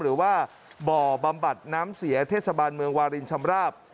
หรือว่าบ่อบำบัดน้ำเสียเทศบาลเมืองวารินชำราบ